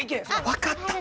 分かった。